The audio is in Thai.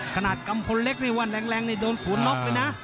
กัมพลเล็กนี่ว่าแรงนี่โดนศูนย์น็อกเลยนะ